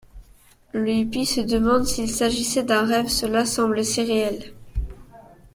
Le hippie se demande s’il s’agissait d’un rêve, cela semblait si réel.